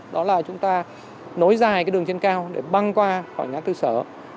đó là chúng ta nối dài cái đường trên cao để băng qua khỏi ngã tư sở